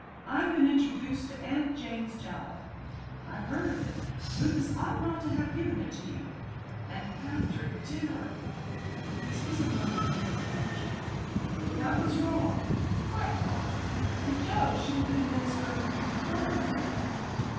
I've been introduced to 'Aunt Jane's Jalap.'" "I've heard of it. Lucas ought not to have given it you." "And after dinner!" This was a murmur from the couch. "That was wrong quite wrong. The dose should have been administered before the meal."